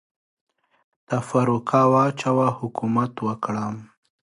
تفرقه واچوه ، حکومت وکړه.